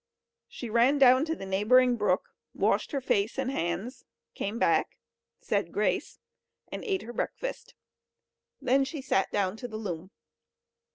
She ran down to the neighbouring brook, washed her face and hands, came back, said grace, and ate her breakfast; then she sat down to the loom.